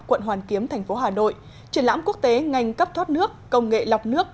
quận hoàn kiếm thành phố hà nội triển lãm quốc tế ngành cấp thoát nước công nghệ lọc nước